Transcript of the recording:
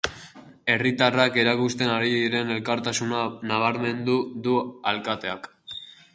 Herritarrak erakusten ari diren elkartasuna nabarmendu du alkateak.